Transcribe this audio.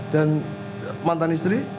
dan mantan istri